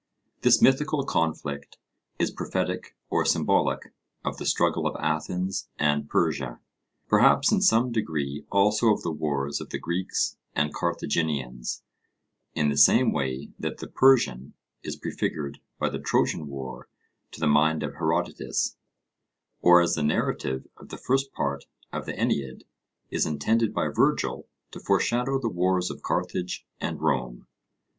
This mythical conflict is prophetic or symbolical of the struggle of Athens and Persia, perhaps in some degree also of the wars of the Greeks and Carthaginians, in the same way that the Persian is prefigured by the Trojan war to the mind of Herodotus, or as the narrative of the first part of the Aeneid is intended by Virgil to foreshadow the wars of Carthage and Rome.